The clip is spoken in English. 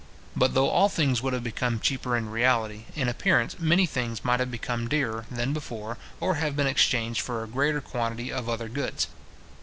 But though all things would have become cheaper in reality, in appearance many things might have become dearer, than before, or have been exchanged for a greater quantity of other goods.